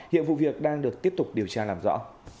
hiện vụ việc đang được tiếp tục điều tra làm rõ